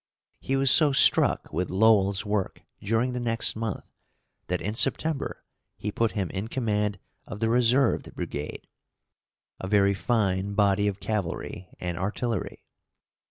He was so struck with Lowell's work during the next month that in September he put him in command of the "Reserved Brigade," a very fine body of cavalry and artillery.